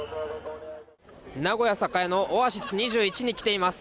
名古屋栄のオアシス２１に来ています。